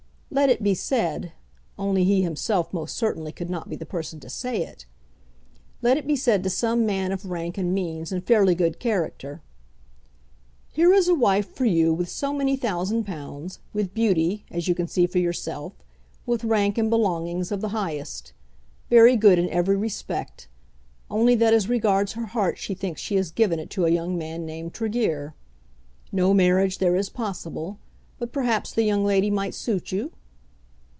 Let it be said, only he himself most certainly could not be the person to say it, let it be said to some man of rank and means and fairly good character: "Here is a wife for you with so many thousand pounds, with beauty, as you can see for yourself, with rank and belongings of the highest; very good in every respect; only that as regards her heart she thinks she has given it to a young man named Tregear. No marriage there is possible; but perhaps the young lady might suit you?"